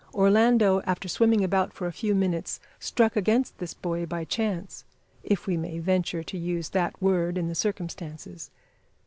Orlando, after swimming about for a few minutes, struck against this buoy by chance if we may venture to use that word in the circumstances.